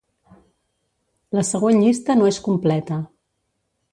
La següent llista no és completa.